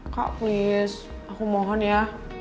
kak please aku mohon ya